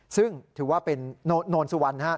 ซึ่งถือว่าเป็นโนนสุวรรณ